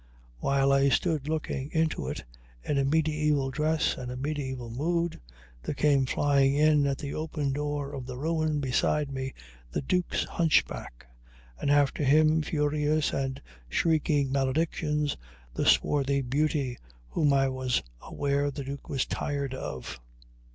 While I stood looking into it, in a mediæval dress and a mediæval mood, there came flying in at the open door of the ruin beside me the duke's hunchback, and after him, furious and shrieking maledictions, the swarthy beauty whom I was aware the duke was tired of.